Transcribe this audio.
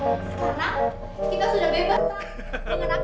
mengenakan semua makanan kita dalam masa ini